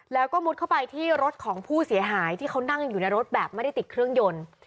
แล้วก็มุดเข้าไปที่รถของผู้เสียหายที่เขานั่งอยู่ในรถแบบไม่ได้ติดเครื่องยนต์